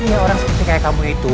ya orang seperti kayak kamu itu